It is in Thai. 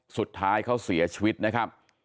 สุดท้ายเขาเสียชีวิตนะครับ